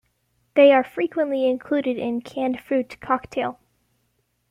They are frequently included in canned fruit cocktail.